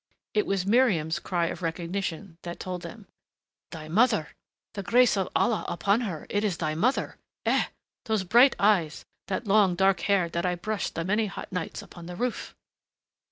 It was Miriam's cry of recognition that told them. "Thy mother the grace of Allah upon her! It is thy mother! Eh, those bright eyes, that long, dark hair that I brushed the many hot nights upon the roof!"